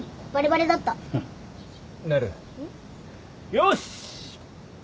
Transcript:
よし！